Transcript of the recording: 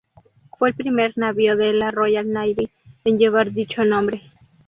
Fue el primer navío de la Royal Navy en llevar dicho nombre.